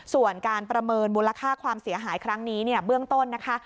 ส่วนการประเมินมูลค่าความเสียหายครั้งนี้เนี่ยเบื้องต้นนะคะ